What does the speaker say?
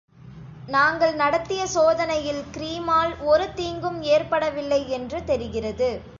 நாங்கள் நடத்திய சோதனையில் கிரீமால் ஒரு தீங்கும் ஏற்படவில்லை என்று தெரிகிறது.